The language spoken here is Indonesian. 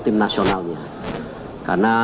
tim nasionalnya karena